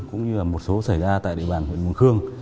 cũng như là một số xảy ra tại địa bàn huyện mường khương